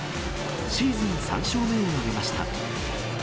シーズン３勝目を挙げました。